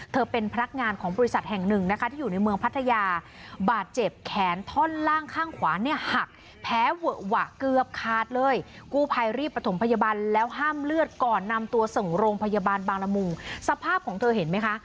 ส่งโรงพยาบาลบางรัฐมงจ์สภาพของเธอเห็นไหมคะ